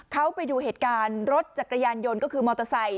เขาไปดูเหตุการณ์รถจักรยานยนต์ก็คือมอเตอร์ไซค